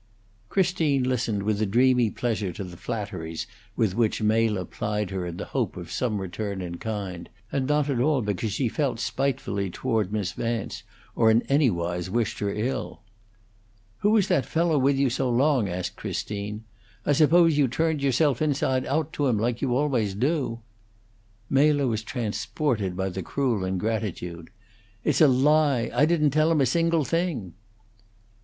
Christine listened with a dreamy pleasure to the flatteries with which Mela plied her in the hope of some return in kind, and not at all because she felt spitefully toward Miss Vance, or in anywise wished her ill. "Who was that fellow with you so long?" asked Christine. "I suppose you turned yourself inside out to him, like you always do." Mela was transported by the cruel ingratitude. "It's a lie! I didn't tell him a single thing."